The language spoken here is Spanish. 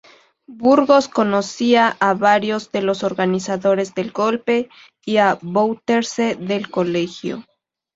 Burgos conocía a varios de los organizadores del golpe y a Bouterse del colegio.